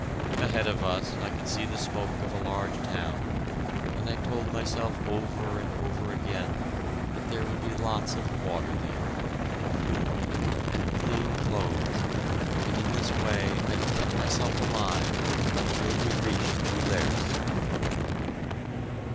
Ahead of us I could see the smoke of a large town, and I told myself over and over again that there would be lots of water there, and food and clean clothes, and in this way I kept myself alive until we reached Roulers.